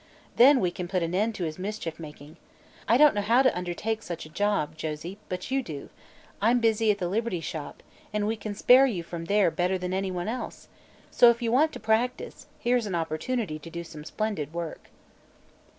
Then we can put an end to his mischief making. I don't know how to undertake such a job, Josie, but you do; I'm busy at the Liberty Shop, and we can spare you from there better than any one else; so, if you want to 'practise,' here's an opportunity to do some splendid work."